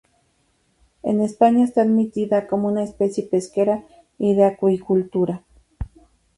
En España está admitida como una especie pesquera y de acuicultura.